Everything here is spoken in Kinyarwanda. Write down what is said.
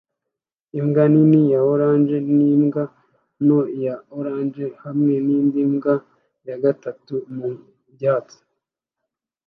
Imbwa nini ya orange n'imbwa ntoya ya orange hamwe n'indi mbwa ya gatatu mu byatsi